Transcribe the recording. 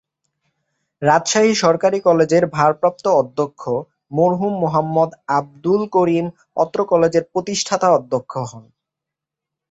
রাজশাহী সরকারী কলেজের ভারপ্রাপ্ত অধ্যক্ষ মরহুম মোহাম্মদ আবদুল করিম অত্র কলেজের প্রতিষ্ঠাতা অধ্যক্ষ হন।